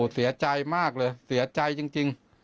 เสียใจมากเลยเสียใจจริง